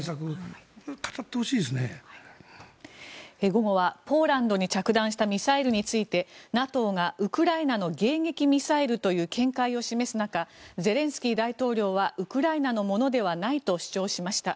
午後はポーランドに着弾したミサイルについてＮＡＴＯがウクライナの迎撃ミサイルという見解を示す中ゼレンスキー大統領はウクライナのものではないと主張しました。